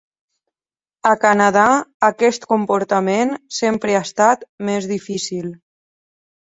A Canadà, aquest comportament sempre ha estat més difícil.